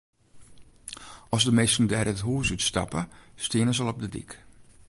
As de minsken dêr it hûs út stappe, stean se al op de dyk.